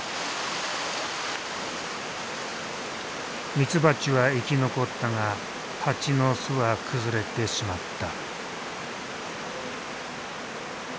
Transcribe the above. ミツバチは生き残ったがハチの巣は崩れてしまった。